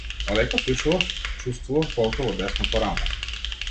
Додека пишував чуствував болка во десното рамо.